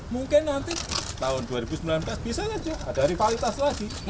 mungkin nanti tahun dua ribu sembilan belas bisa saja ada rivalitas lagi